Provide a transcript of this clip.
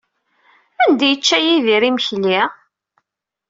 Anda ay yečča Yidir imekli?